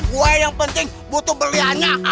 gua yang penting butuh beliannya